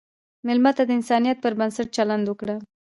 مېلمه ته د انسانیت پر بنسټ چلند وکړه.